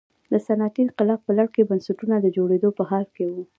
د صنعتي انقلاب په لړ کې بنسټونه د جوړېدو په حال کې وو.